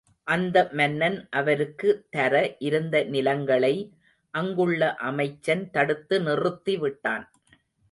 அந்த மன்னன் அவருக்கு தர இருந்த நிலங்களை அங்குள்ள அமைச்சன் தடுத்து நிறுத்தி விட்டான்.